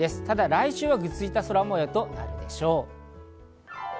ただ来週はぐずついた空模様となるでしょう。